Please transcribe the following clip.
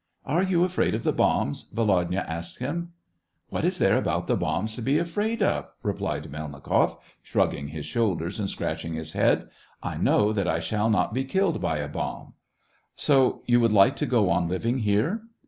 " Are you afraid of the bombs ?" Volodya asked him. " What is there about the bombs to be afraid of !" replied Melnikoff, shrugging his shoulders and scratching his head, " I know that I shall not be killed by a bomb." So you would like to go on living here